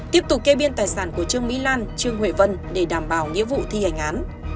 tiếp tục kê biên tài sản của trương mỹ lan trương huệ vân để đảm bảo nghĩa vụ thi hành án